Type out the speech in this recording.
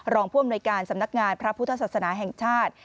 รองผู้อำนวยการสำนักงานพระพุทธศาสนาแห่งชาติ